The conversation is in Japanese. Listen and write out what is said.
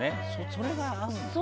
それが合うんだ。